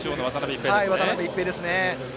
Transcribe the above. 渡辺一平ですね。